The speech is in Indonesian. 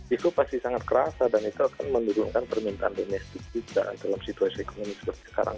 itu pasti sangat kerasa dan itu akan menurunkan permintaan domestik kita dalam situasi ekonomi seperti sekarang